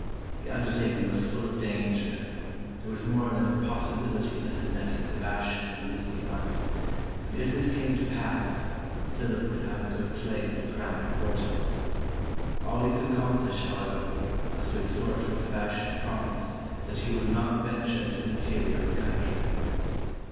The undertaking was full of danger; there was more than a possi bihty that his nephew Sebastian would lose his life; and if this came to pass, Philip would have a good claim to the crown of Portugal. All he could accomplish, however, was to extort from Sebastian a promise that he would not venture into the interior of the country.